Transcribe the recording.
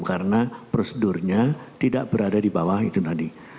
karena prosedurnya tidak berada di bawah itu tadi